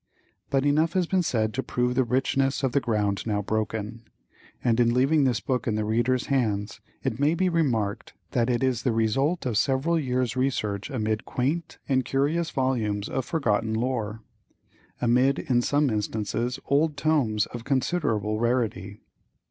But enough has been said to prove the richness of the ground now broken, and in leaving this book in the reader's hands, it may be remarked that it is the result of several years' research amid "quaint and curious volumes of forgotten lore;" amid, in some instances, old tomes of considerable rarity.